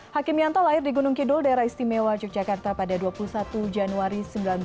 hakim yanto lahir di gunung kidul daerah istimewa yogyakarta pada dua puluh satu januari seribu sembilan ratus empat puluh